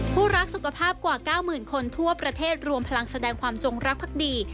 รักสุขภาพกว่า๙๐๐คนทั่วประเทศรวมพลังแสดงความจงรักภักดี